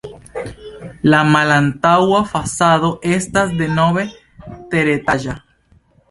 La malantaŭa fasado estas denove teretaĝa.